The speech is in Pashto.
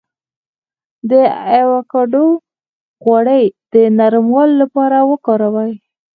د ایوکاډو غوړي د نرموالي لپاره وکاروئ